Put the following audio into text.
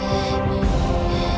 kau harus tutup pureu